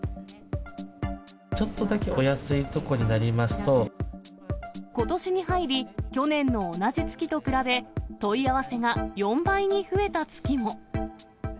ちょっとだけお安いところにことしに入り、去年の同じ月と比べ、問い合わせが４倍に増えた月も。